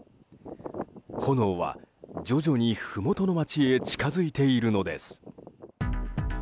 炎は、徐々にふもとの街へ近づいているのです。